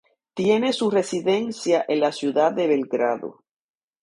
Tiene su residencia en la ciudad de Belgrado.